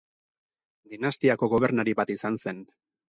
Dinastiako gobernari bat izan zen.